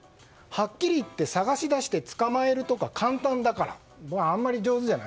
はっきり言って探し出して捕まえるとか簡単だから。